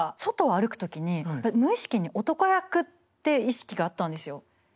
外を歩く時に無意識に男役って意識があったんですよ。